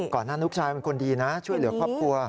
หน้าลูกชายเป็นคนดีนะช่วยเหลือครอบครัว